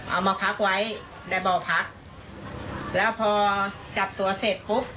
เอามาพักไว้ในบ่อพักแล้วพอจับตัวเสร็จปุ๊บ